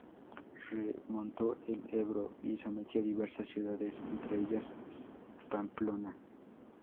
Remontó el Ebro y sometió diversas ciudades, entre ellas Pamplona.